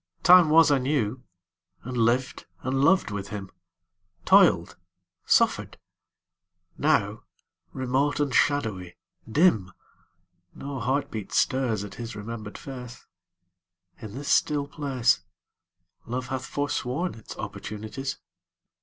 Time was I knew, and lived and loved with him; Toiled, suffered. Now, remote and shadowy, dim, No heartbeat stirs at his remembered face. In this still place Love hath forsworn its opportunities.